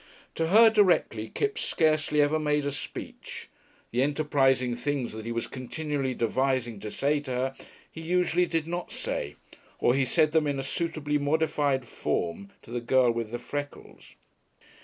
To her directly Kipps scarcely ever made a speech. The enterprising things that he was continually devising to say to her, he usually did not say, or he said them in a suitably modified form to the girl with the freckles.